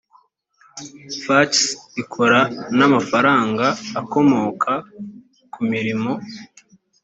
fuchs ikora n amafaranga akomoka ku mirimo